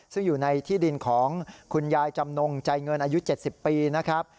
ซึ่งอยู่ในที่ดินของคุณยายจำนงใจเงินอายุ๗๐ปีนะครับ